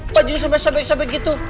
bajunya sobek sobek gitu